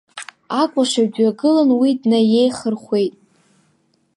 Акәашаҩ дҩагылан уи днаиеихырхәеит.